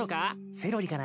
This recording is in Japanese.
セロリかな？